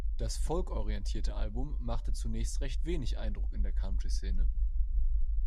Das folk-orientierte Album machte zunächst recht wenig Eindruck in der Country-Szene.